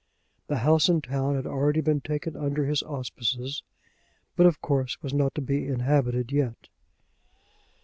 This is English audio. The house in town had already been taken under his auspices, but of course was not to be inhabited yet.